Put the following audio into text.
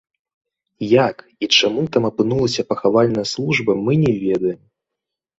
Як і чаму там апынулася пахавальная служба, мы не ведаем.